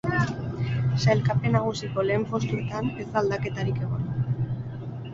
Sailkapen nagusiko lehen postuetan ez da aldaketarik egon.